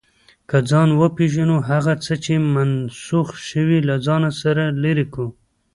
که ځان وپېژنو، هغه څه چې منسوخ شوي، له ځانه لرې کوو.